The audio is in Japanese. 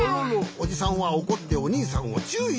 おじさんはおこっておにいさんをちゅういしました。